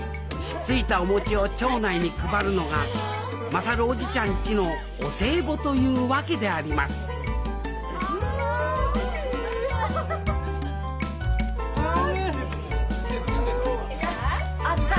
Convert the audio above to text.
ついたお餅を町内に配るのが優叔父ちゃんちのお歳暮というわけでありますあづさ！